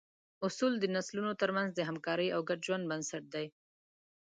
اصول د نسلونو تر منځ د همکارۍ او ګډ ژوند بنسټ دي.